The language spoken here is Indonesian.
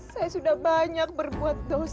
saya sudah banyak berbuat dosa